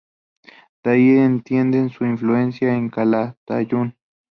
De ahí extienden su influencia a Calatayud.